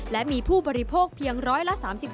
และมีผู้บริโภคเพียงร้อยละ๓๖